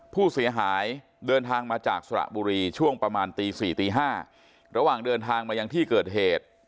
ผู้เสียหายเดินทางมาจากสระบุรีช่วงประมาณตี๔ตี๕ระหว่างเดินทางมายังที่เกิดเหตุ